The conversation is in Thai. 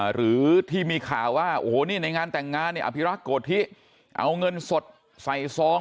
หรือที่มีข่าวว่าในงานแต่งงานอภิรักษ์โกธิเอาเงินสดใส่ซอง